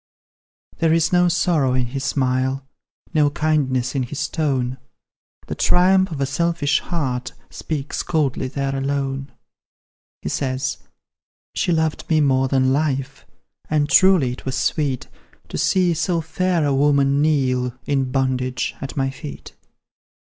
There is no sorrow in his smile, No kindness in his tone; The triumph of a selfish heart Speaks coldly there alone; He says: "She loved me more than life; And truly it was sweet To see so fair a woman kneel, In bondage, at my feet.